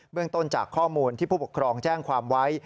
เรื่องต้นจากข้อมูลที่ผู้ปกครองแจ้งความไว้